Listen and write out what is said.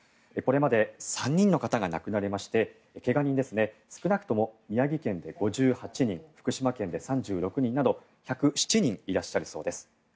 これまで３人の方が亡くなりまして怪我人は少なくとも宮城県で５８人福島県で３６人など１０７人いらっしゃるそうです。